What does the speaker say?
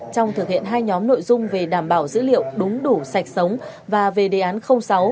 trong thực hiện hai nhóm nội dung về đảm bảo dữ liệu đúng đủ sạch sống và về đề án sáu